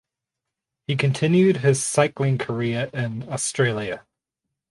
He continued his cycling career in Australia.